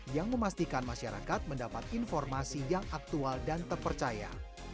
yang memastikan masyarakat mendapat informasi yang aktual dan terpercaya